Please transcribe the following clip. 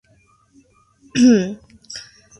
Es ahora utilizado como fuente.